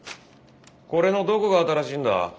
これのどこが新しいんだ？